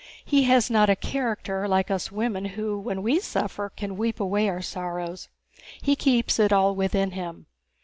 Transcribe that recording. He has not a character like us women who, when we suffer, can weep away our sorrows. He keeps it all within him.